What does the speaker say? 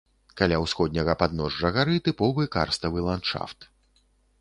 Каля ўсходняга падножжа гары тыповы карставы ландшафт.